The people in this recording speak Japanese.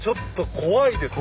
怖いですよね。